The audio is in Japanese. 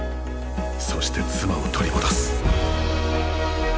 そして妻を取り戻す。